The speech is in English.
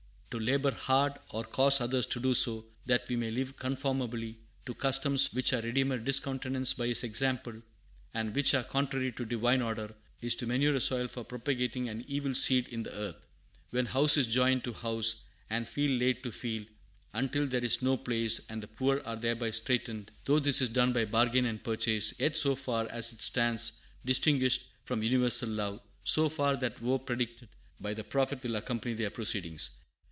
To labor hard, or cause others to do so, that we may live conformably to customs which our Redeemer discountenanced by His example, and which are contrary to Divine order, is to manure a soil for propagating an evil seed in the earth." "When house is joined to house, and field laid to field, until there is no place, and the poor are thereby straitened, though this is done by bargain and purchase, yet so far as it stands distinguished from universal love, so far that woe predicted by the prophet will accompany their proceedings.